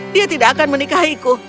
dia tidak akan menikahiku